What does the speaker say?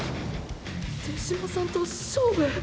手嶋さんと勝負？